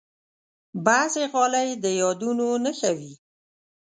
بعضې غالۍ د یادونو نښه وي.